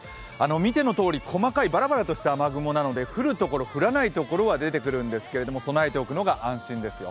見てのとおり細かいバラバラとした雲ですので降るところ、降らないところは出てくるんですけれども、備えておくのが安心ですよ。